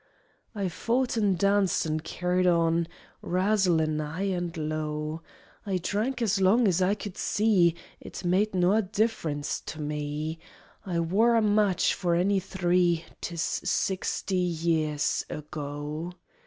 I fought an' danced an' carried on, Razzlin 'igh an low; I drank as long as I could see, It made noa difference to me, I wor a match for any three: 'Tis sixty year ago.